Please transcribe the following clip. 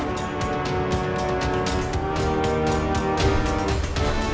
ลองกูทิ้งหน่อย